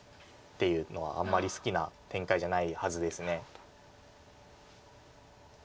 っていうのはあんまり好きな展開じゃないはずです。